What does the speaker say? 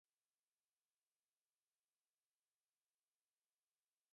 کا گورنر تبدیل کرکے عبیداللہ ابن زیاد ملعون آگیا اس